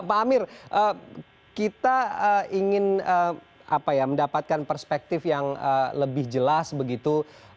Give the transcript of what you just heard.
pak amir kita ingin mendapatkan perspektif yang lebih jelas begitu